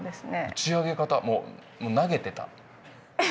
打ち上げ方もう投げてた。